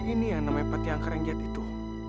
jadi ini yang namanya pati angkaranggiat itu